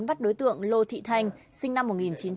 bắt đối tượng lô thị thanh sinh năm một nghìn chín trăm tám mươi